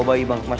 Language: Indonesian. udah lihat ya mas